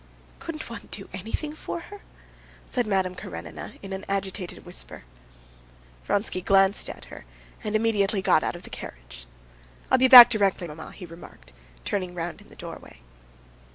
"Couldn't one do anything for her?" said Madame Karenina in an agitated whisper. Vronsky glanced at her, and immediately got out of the carriage. "I'll be back directly, maman," he remarked, turning round in the doorway.